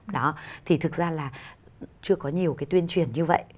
đó thì thực ra là chưa có nhiều cái tuyên truyền như vậy